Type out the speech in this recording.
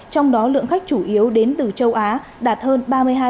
trong đó lượng khách chủ yếu đến từ châu á đạt hơn ba mươi hai